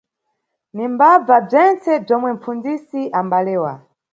Nimbabva bzentse bzomwe mʼpfundzisi ambalewa.